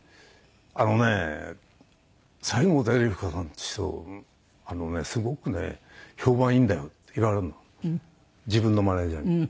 あのね「西郷輝彦さんっていう人すごくね評判いいんだよ」って言われるの自分のマネジャーに。